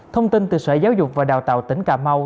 thông tin từ sở giáo dục và đào tạo tỉnh cà mau